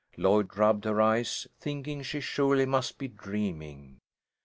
Lloyd rubbed her eyes, thinking she surely must be dreaming.